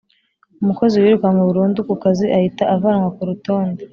Umukozi wirukanywe burundu ku kazi ahita avanwa kurutonde.